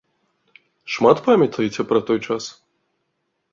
Шмат памятаеце пра той час?